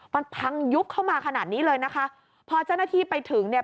มันพังยุบเข้ามาขนาดนี้เลยนะคะพอเจ้าหน้าที่ไปถึงเนี่ย